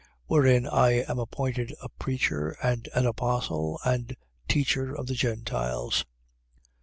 Wherein I am appointed a preacher and an apostle and teacher of the Gentiles.